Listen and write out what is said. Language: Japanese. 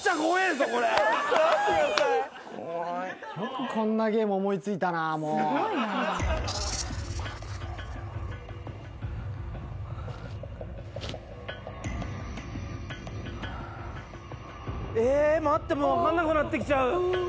すごいなえー待ってもう分かんなくなってきちゃう